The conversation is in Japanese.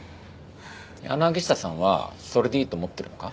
柳下さんはそれでいいと思ってるのか？